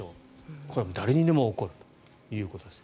これは誰にでも起こるということです。